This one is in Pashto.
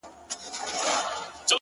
• له مکتبه رخصت سویو ماشومانو ,